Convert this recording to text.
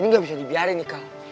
ini gak bisa dibiarin nih kak